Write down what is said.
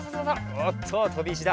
おっととびいしだ。